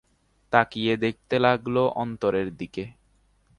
তাকিয়ে দেখতে লাগল অন্তরের দিকে।